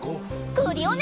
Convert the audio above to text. クリオネ！